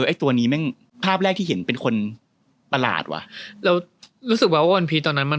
ไอ้ตัวนี้แม่งภาพแรกที่เห็นเป็นคนประหลาดว่ะเรารู้สึกว่าวันพีชตอนนั้นมัน